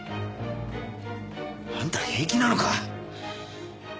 あんた平気なのか？